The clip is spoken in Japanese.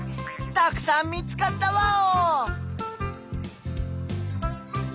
たくさん見つかったワオ！